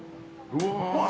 うわ。